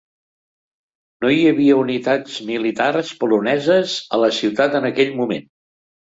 No hi havia unitats militars poloneses a la ciutat en aquell moment.